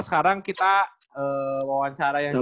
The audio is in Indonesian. sekarang kita wawancara yang dulu